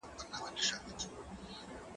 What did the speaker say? ايا ته مېوې راټولې کوې